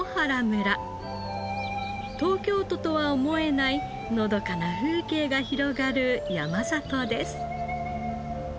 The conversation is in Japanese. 東京都とは思えないのどかな風景が広がる山里です。